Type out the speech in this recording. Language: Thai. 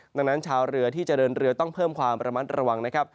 ดังนั้นชาวเรือที่จะเดินเรือต้องเพิ่มความระมัดระวังนะครับ